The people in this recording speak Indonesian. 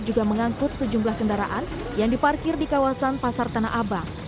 juga mengangkut sejumlah kendaraan yang diparkir di kawasan pasar tanah abang